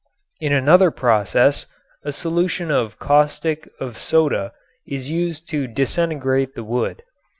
In another process a solution of caustic of soda is used to disintegrate the wood.